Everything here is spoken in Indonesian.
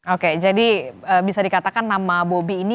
oke jadi bisa dikatakan nama bobi ini